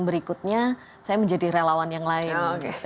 berikutnya saya menjadi relawan yang lain